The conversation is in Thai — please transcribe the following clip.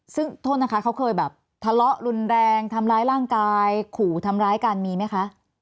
ซึ่งโทษนะคะเขาเคยแบบทะเลาะรุนแรงทำร้ายร่างกายขู่ทำร้ายกันมีไหมคะ